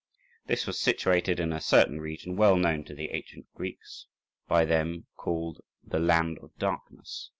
This was situated in a certain region well known to the ancient Greeks, by them called Σχοτία, the Land of Darkness.